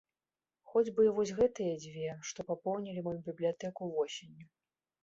Хоць бы і вось гэтыя дзве, што папоўнілі маю бібліятэку восенню.